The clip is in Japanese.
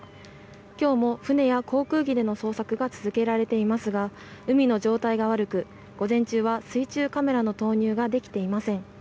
今日も船や航空機での捜索が続けられていますが海の状態が悪く午前中は水中カメラの投入ができていません。